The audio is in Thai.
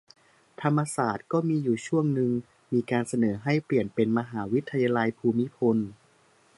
ธรรมศาสตร์ก็มีอยู่ช่วงนึง มีการเสนอให้เปลี่ยนเป็น "มหาวิทยาลัยภูมิพล"